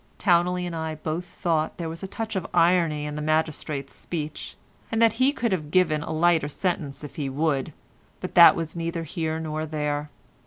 Towneley and I both thought there was a touch of irony in the magistrate's speech, and that he could have given a lighter sentence if he would, but that was neither here nor there.